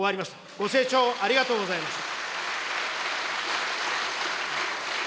ご清聴ありがとうございました。